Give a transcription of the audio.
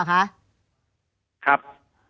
ครับ